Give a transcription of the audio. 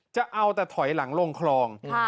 จะเอาแต่ถอยหลังลงคลอง